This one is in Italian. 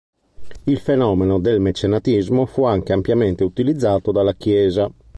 Il fenomeno del mecenatismo fu anche ampiamente utilizzato dalla Chiesa.